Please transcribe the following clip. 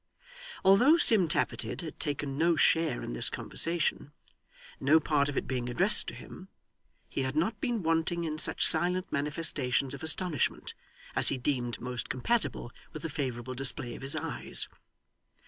Although Sim Tappertit had taken no share in this conversation, no part of it being addressed to him, he had not been wanting in such silent manifestations of astonishment, as he deemed most compatible with the favourable display of his eyes.